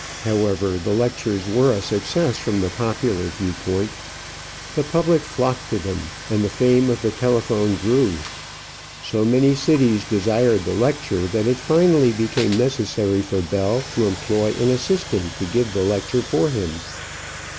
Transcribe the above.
However, the lectures were a success from the popular viewpoint. The public flocked to them and the fame of the telephone grew. So many cities desired the lecture that it finally became necessary for Bell to employ an assistant to give the lecture for him.